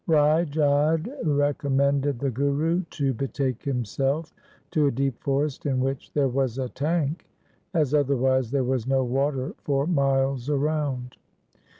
Rai Jodh recom mended the Guru to betake himself to a deep forest in which there was a tank, as otherwise there was no water for miles around.